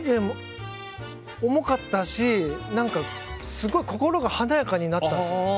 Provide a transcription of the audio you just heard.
重かったし、すごい心が華やかになったんですよ。